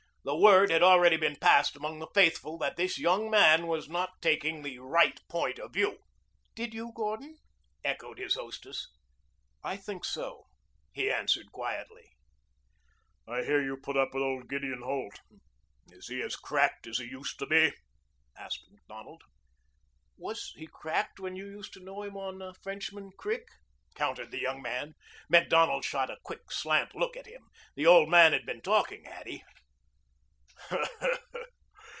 The word had already been passed among the faithful that this young man was not taking the right point of view. "Did you, Gordon?" echoed his hostess. "I think so," he answered quietly. "I hear you put up with old Gideon Holt. Is he as cracked as he used to be?" asked Macdonald. "Was he cracked when you used to know him on Frenchman Creek?" countered the young man. Macdonald shot a quick, slant look at him. The old man had been talking, had he?